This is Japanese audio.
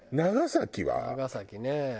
長崎ね。